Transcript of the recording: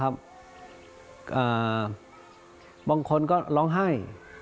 บางคนก็ร้องไห้